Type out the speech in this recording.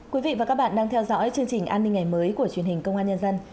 quý vị và các bạn đang theo dõi chương trình an ninh ngày mới của truyền hình công an nhân dân